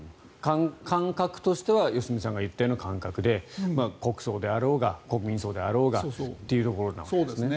感覚としては良純さんが言ったような感覚で国葬であろうが国民葬であろうがというところなわけですね。